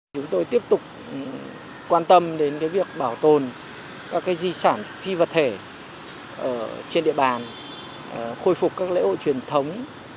chúng tôi tiếp tục quan tâm đến việc bảo tồn các di sản phi vật thể trên địa bàn khôi phục các lễ hội truyền thống